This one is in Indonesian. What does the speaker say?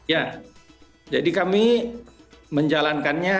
ya jadi kami menjalankannya